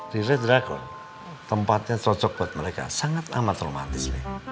di redragon tempatnya cocok buat mereka sangat amat romantis nih